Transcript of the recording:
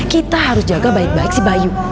kita harus jaga baik baik si bayu